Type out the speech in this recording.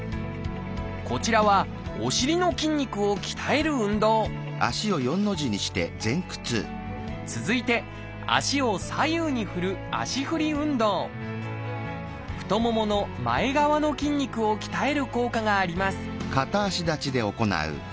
こちらはお尻の筋肉を鍛える運動続いて足を左右に振る太ももの前側の筋肉を鍛える効果があります